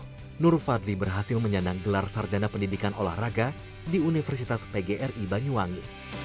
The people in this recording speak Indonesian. pada tahun dua ribu sepuluh nur fadli berhasil menyenang gelar sarjana pendidikan olahraga di universitas pgr iba nyuwangi